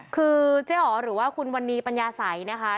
คือเจ๊อ๋อหรือว่าคุณวันนี้ปัญญาสัยนะคะ